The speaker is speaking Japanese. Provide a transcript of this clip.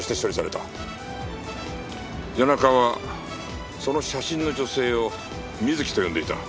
谷中はその写真の女性をミズキと呼んでいた。